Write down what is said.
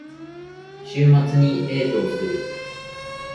週末にデートをする。